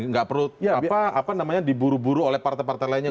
nggak perlu diburu buru oleh partai partai lainnya